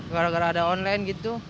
gara gara ada online gitu